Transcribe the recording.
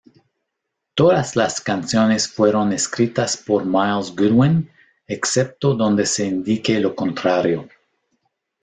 Todas las canciones fueron escritas por Myles Goodwyn, excepto donde se indique lo contrario